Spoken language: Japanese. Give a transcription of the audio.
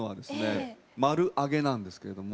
丸揚げなんですけれども。